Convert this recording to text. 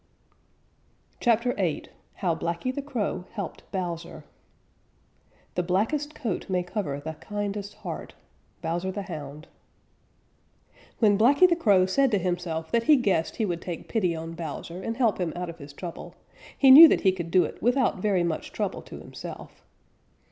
CHAPTER VIII HOW BLACKY THE CROW HELPED BOWSER The blackest coat may cover the kindest heart. Bowser the Hound. When Blacky the Crow said to himself that he guessed he would take pity on Bowser and help him out of his trouble, he knew that he could do it without very much trouble to himself.